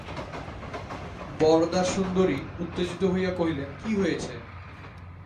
বরদাসুন্দরী উত্তেজিত হইয়া কহিলেন, কী হয়েছে!